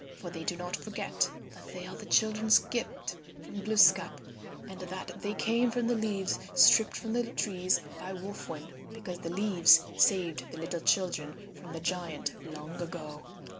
For they do not forget that they are the children's gift from Glooskap and that they came from the leaves stripped from the trees by Wolf Wind because the leaves saved the little children from the giant long ago.